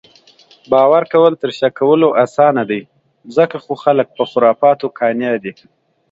باؤر کؤل تر شک کؤلو اسانه دي، ځکه خو خلک پۀ خُرفاتو قانع دي